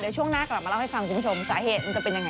ช่วงหน้ากลับมาเล่าให้ฟังคุณผู้ชมสาเหตุมันจะเป็นยังไง